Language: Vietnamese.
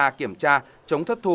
kiểm tra kiểm tra chống thất thuế